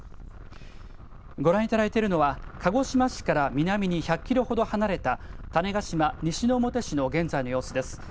ご覧いただいているのは、鹿児島市から南に１００キロほど離れた、種子島西之表市の現在の様子です。